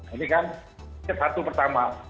ini kan satu pertama